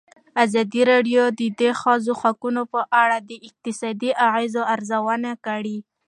ازادي راډیو د د ښځو حقونه په اړه د اقتصادي اغېزو ارزونه کړې.